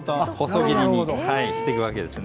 細切りにしていくんです。